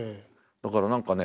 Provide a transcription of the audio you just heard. だから何かね